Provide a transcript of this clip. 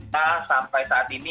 untuk memang kita sampai saat ini